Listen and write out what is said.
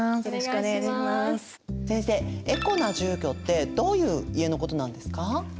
エコな住居ってどういう家のことなんですか？